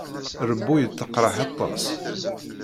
Rebbu yettaqraḥ aṭas.